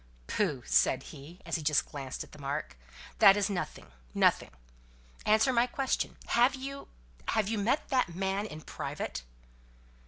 "Pooh!" said he, as he just glanced at the mark, "that is nothing nothing. Answer my question. Have you have you met that man in private?"